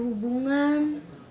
nggak ada hubungan